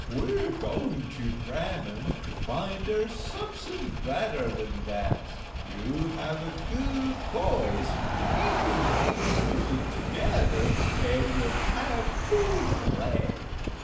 We are going to Bremen, to find there something better than death; you have a good voice, and if we make music together it will have full play."